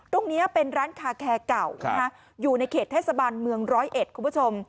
ตรงนี้เป็นร้านคาแคร์เก่าอยู่ในเขตเทศบาลเมืองร้อยเอ็ดคุณผู้ชม